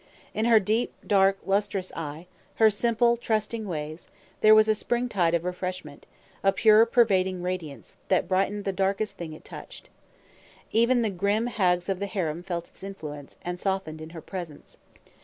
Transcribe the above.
In her deep, dark, lustrous eyes, her simple, trusting ways, there was a springtide of refreshment, a pure, pervading radiance, that brightened the darkest thing it touched. Even the grim hags of the harem felt its influence, and softened in her presence.